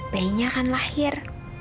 bayinya akan lahir